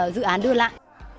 dự án đưa lại